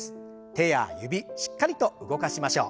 手や指しっかりと動かしましょう。